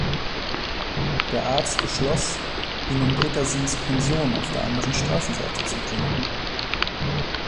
Der Arzt beschloss, ihn in Petersens Pension auf der anderen Straßenseite zu bringen.